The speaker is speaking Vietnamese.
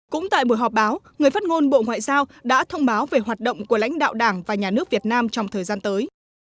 cũng tại buổi họp báo người phát ngôn bộ ngoại giao đã thông báo về hoạt động của lãnh đạo đảng và nhà nước việt nam trong thời gian tới